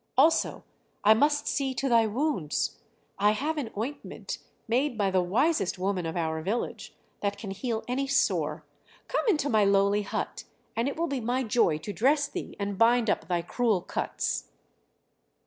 Also I must see to thy wounds. I have an ointment, made by the wisest woman of our village, that can heal any sore. Come into my lowly hut and it will be my joy to dress thee and bind up thy cruel cuts!"